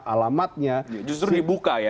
alamatnya justru dibuka ya